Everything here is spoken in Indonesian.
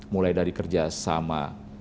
mulai dari kerja sama